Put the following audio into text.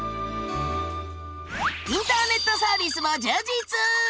インターネットサービスも充実！